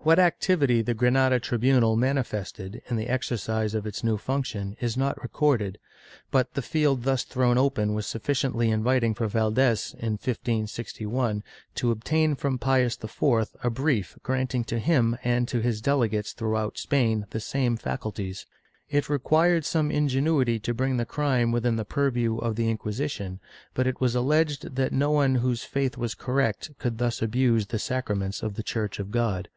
^ What activity the Granada tribunal manifested in the exercise of its new function is not recorded, but the field thus thrown open was sufficiently inviting for Valdes, in 1561, to obtain from Pius IV a brief granting to him and to his delegates throughout Spain the same faculties.^ It required some ingenuity to bring the crime within the purview of the Inquisition, but it was alleged that no one whose faith was correct could thus abuse the sacraments of the Church of God.